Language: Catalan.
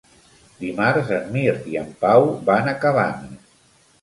Dimarts en Mirt i en Pau van a Cabanes.